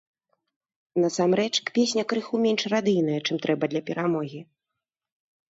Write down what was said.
Насамрэч, песня крыху менш радыйная, чым трэба для перамогі.